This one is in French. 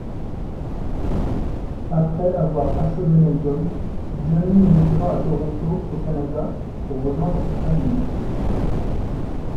Après avoir achevé l’album, Johnny émigra à Toronto au Canada pour rejoindre sa famille.